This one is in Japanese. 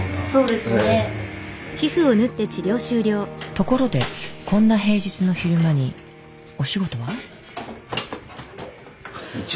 ところでこんな平日の昼間にお仕事は？